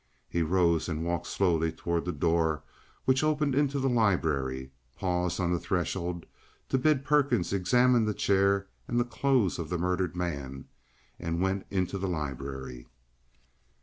He rose and walked slowly towards the door which opened into the library, paused on the threshold to bid Perkins examine the chair and the clothes of the murdered man, and went into the library.